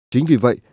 chính vì vậy